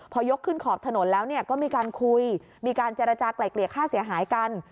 พอยกขึ้นขอบถนนแล้วก็มีการคุยมีการเจรจากลายเกลี่ยค่าเสียหายกัน